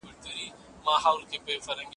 د خوړو مسمومیت د معدې د تېزابو نورمال